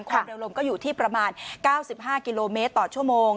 ความเร็วลมก็อยู่ที่ประมาณ๙๕กิโลเมตรต่อชั่วโมง